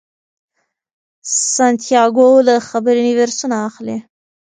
سانتیاګو له خبرو نوي درسونه اخلي.